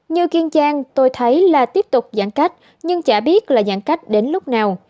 như kiên giang tôi thấy là tiếp tục giãn cách nhưng chả biết là giãn cách đến lúc nào